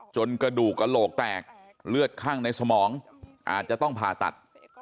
กระดูกกระโหลกแตกเลือดข้างในสมองอาจจะต้องผ่าตัด